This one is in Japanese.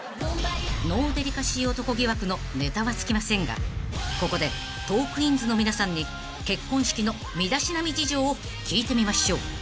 ［ノーデリカシー男疑惑のネタは尽きませんがここでトークィーンズの皆さんに結婚式の身だしなみ事情を聞いてみましょう］